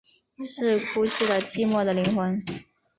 是哭泣的寂寞的灵魂